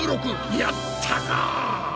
やったな！